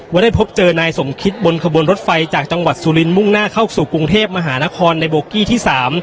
ได้พบเจอนายสมคิตบนขบวนรถไฟจากจังหวัดสุรินทร์มุ่งหน้าเข้าสู่กรุงเทพมหานครในโบกี้ที่๓